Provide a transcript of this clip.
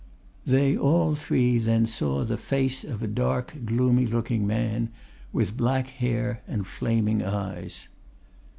They all three then saw the face of a dark, gloomy looking man, with black hair and flaming eyes.